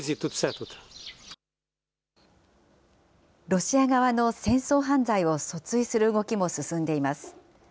ロシア側の戦争犯罪を訴追する動きも進んでいます。